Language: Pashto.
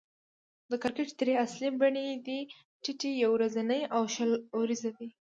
د کرکټ درې اصلي بڼې دي: ټېسټ، يو ورځنۍ، او شل اووريز.